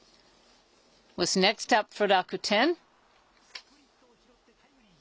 スプリットを拾ってタイムリー。